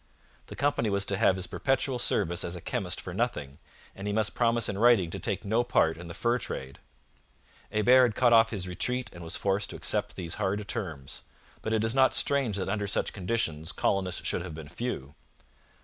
The company was to have his perpetual service as a chemist for nothing, and he must promise in writing to take no part in the fur trade. Hebert had cut off his retreat and was forced to accept these hard terms, but it is not strange that under such conditions colonists should have been few.